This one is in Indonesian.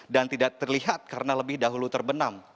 dan tidak terlihat karena lebih dahulu terbenam